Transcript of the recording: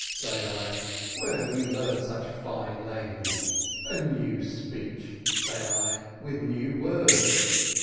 say I, "where have you learned such fine language? a new speech," say I, "with new words.